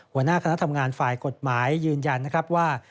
หัวหน้าคณะทำงานฝ่ายกฎหมายยืนยันนะครับว่า